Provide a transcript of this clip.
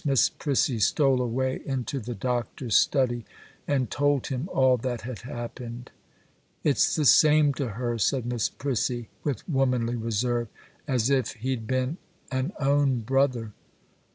Miss Prissy stole away into the Doctor's study, and told him all that had happened. 'It's the same to her,' said Miss Prissy, with womanly reserve, 'as if he'd been an own brother.